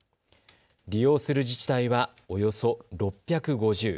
利用する自治体はおよそ６５０。